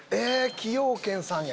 崎陽軒さんや。